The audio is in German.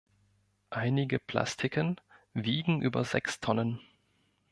Einige Plastiken wiegen über sechs Tonnen.